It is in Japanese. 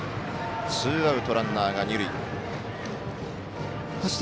ツーアウト、ランナーが二塁。